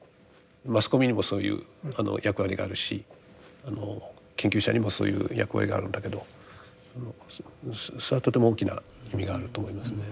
マスコミにもそういう役割があるし研究者にもそういう役割があるんだけどそれはとても大きな意味があると思いますね。